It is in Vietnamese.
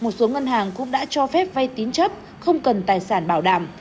một số ngân hàng cũng đã cho phép vay tín chấp không cần tài sản bảo đảm